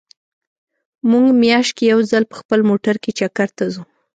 مونږ مياشت کې يو ځل په خپل موټر کې چکر ته ځو